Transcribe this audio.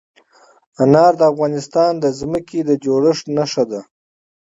انار د افغانستان د ځمکې د جوړښت نښه ده.